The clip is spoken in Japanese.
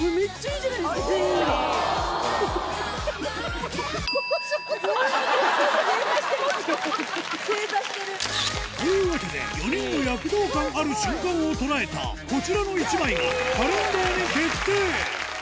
大島さん。というわけで４人の躍動感ある瞬間を捉えたこちらの１枚がカレンダーに決定